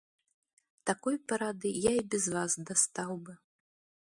Такой парады я і без вас дастаў бы.